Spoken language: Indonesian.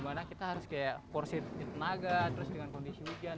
dimana kita harus kayak porsi tenaga terus dengan kondisi hujan